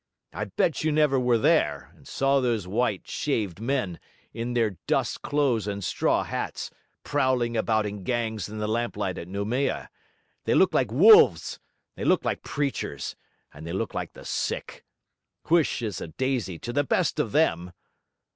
I bet you never were there, and saw those white, shaved men, in their dust clothes and straw hats, prowling around in gangs in the lamplight at Noumea; they look like wolves, and they look like preachers, and they look like the sick; Hulsh is a daisy to the best of them.